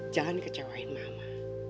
jangan kecewain mama